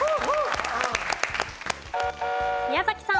宮崎さん。